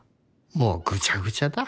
もうぐちゃぐちゃだ